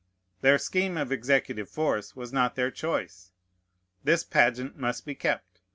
Their scheme of executive force was not their choice. This pageant must be kept.